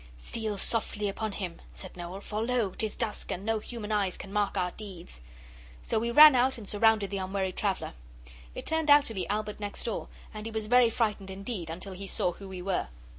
'Steal softly upon him,' said Noel; 'for lo! 'tis dusk, and no human eyes can mark our deeds.' So we ran out and surrounded the unwary traveller. It turned out to be Albert next door, and he was very frightened indeed until he saw who we were.